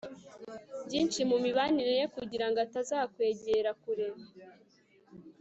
byinshi mu mibanire ye, kugira ngo atazakwegera kure